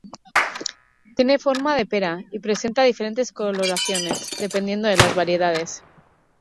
Tiene forma de pera y presenta diferentes coloraciones, dependiendo de las variedades.